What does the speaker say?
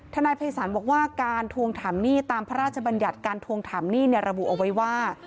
นายภัยศาลบอกว่าการทวงถามหนี้ตามพระราชบัญญัติการทวงถามหนี้ระบุเอาไว้ว่า